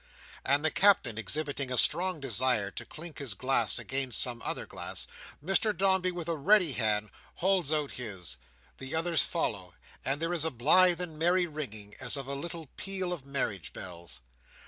and the Captain exhibiting a strong desire to clink his glass against some other glass, Mr Dombey, with a ready hand, holds out his. The others follow; and there is a blithe and merry ringing, as of a little peal of marriage bells.